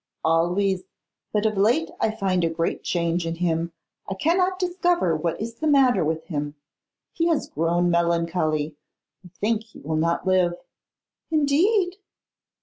'Always; but of late I find a great change in him. I cannot discover what is the matter with him. He has grown melancholy. I think he will not live.' 'Indeed!